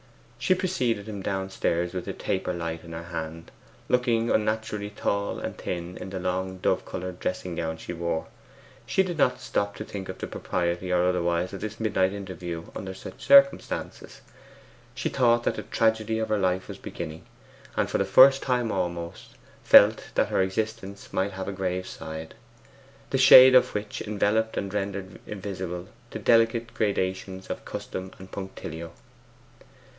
She preceded him down the staircase with the taper light in her hand, looking unnaturally tall and thin in the long dove coloured dressing gown she wore. She did not stop to think of the propriety or otherwise of this midnight interview under such circumstances. She thought that the tragedy of her life was beginning, and, for the first time almost, felt that her existence might have a grave side, the shade of which enveloped and rendered invisible the delicate gradations of custom and punctilio.